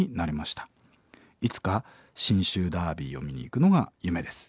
いつか信州ダービーを見に行くのが夢です。